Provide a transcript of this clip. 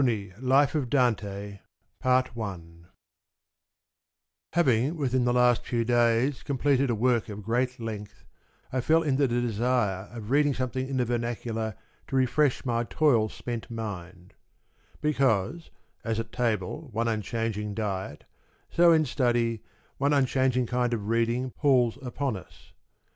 Ill LIFE OF DANTE BY LIONARDO BRUNI HAVING within the last few days completed a work of great length I fell into the desire of reading something in the vernacular to refresh my toil spent mind ; because, as at table one unchanging diet, so in study, one unchanging icind of reading palls upon us.